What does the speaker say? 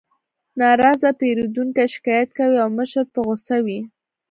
ناراضه پیرودونکي شکایت کوي او مشر په غوسه وي